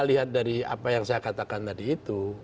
kita lihat dari apa yang saya katakan tadi itu